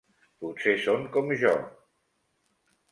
Potser són com jo.